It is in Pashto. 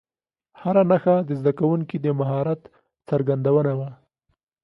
هره نښه د زده کوونکو د مهارت څرګندونه وه.